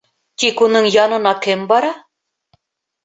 Тик уның янына кем бара?